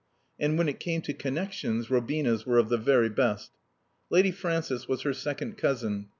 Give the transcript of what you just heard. And when it came to connections, Robina's were of the very best. Lady Frances was her second cousin.